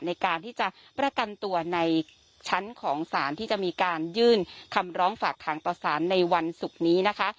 ในการที่จะประกันตัวในชั้นของศาลที่จะมีการยื่นคำร้องฝากทางต่อสารในวันศุกร์นี้นะคะ